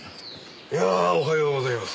いやあおはようございます。